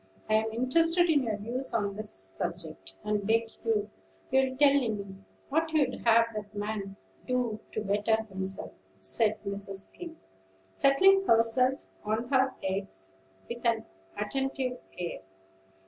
I'm interested in your views on this subject, and beg you'll tell me what you'd have that man do to better himself," said Mrs. Skim, settling herself on her eggs with an attentive air.